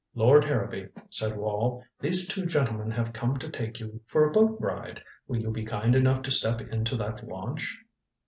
"Lord Harrowby," said Wall, "these two gentlemen have come to take you for a boat ride. Will you be kind enough to step into that launch?"